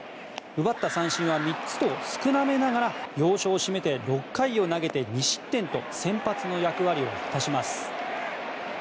奪った三振は３つと少なめながら要所を締めて６回を投げて２失点と先発の役割を果たします。